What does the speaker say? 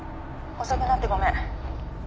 遅くなってごめん。